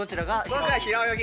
僕は平泳ぎ。